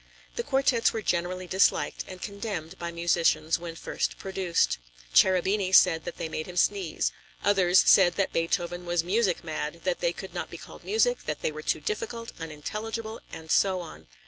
The quartets were generally disliked and condemned by musicians when first produced. Cherubini said that they made him sneeze. Others said that Beethoven was music mad, that they could not be called music, that they were too difficult, unintelligible, and so on.